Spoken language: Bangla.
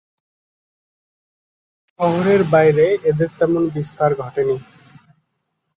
শহরের বাইরে এদের তেমন বিস্তার ঘটেনি।